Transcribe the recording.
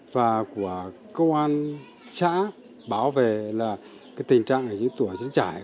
và của công an xã báo về là tình trạng ở những tùa chiến trải